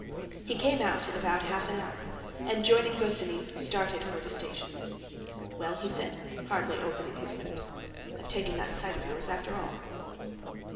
He came out in about half an hour, and, joining Bosinney, started for the station. "Well," he said, hardly opening his lips, "I've taken that site of yours, after all."